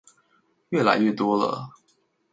越來越多了